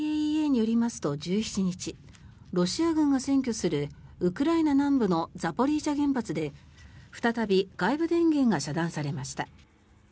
ＩＡＥＡによりますと１７日ロシア軍が占拠するウクライナ南部のザポリージャ原発で再び外部電源が遮断されました。